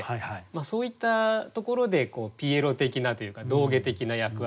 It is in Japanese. そういったところでピエロ的なというか道化的な役割を果たすと。